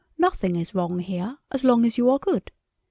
"Nothing is wrong here—as long as you're good.